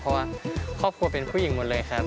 เพราะว่าครอบครัวเป็นผู้หญิงหมดเลยครับ